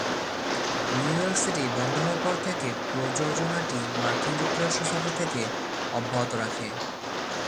New York City বন্ধ হওয়ার পর থেকে, প্রযোজনাটি মার্কিন যুক্তরাষ্ট্র সফর অব্যাহত রাখে।